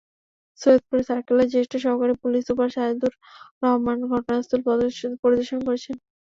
সৈয়দপুর সার্কেলের জ্যেষ্ঠ সহকারী পুলিশ সুপার সাজেদুর রহমান ঘটনাস্থল পরিদর্শন করেছেন।